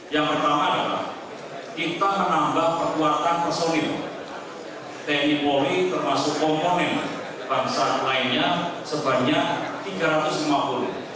yang pertama adalah kita menambah perkuatan pesulit teknik poli termasuk komponen dan saat lainnya sebanyak tiga ratus lima puluh